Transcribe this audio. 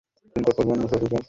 আব্বু, আমি কেক খাবো!